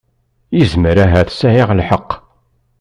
Yezmer ahat sɛiɣ lḥeqq.